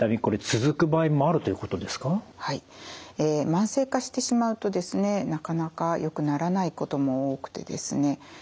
慢性化してしまうとですねなかなかよくならないことも多くてですね